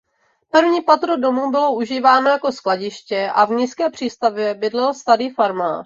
První patro domu bylo užíváno jako skladiště a v nízké přístavbě bydlel starý farmář.